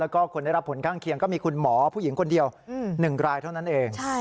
แล้วก็คนได้รับผลข้างเคียงก็มีคุณหมอผู้หญิงคนเดียว๑รายเท่านั้นเอง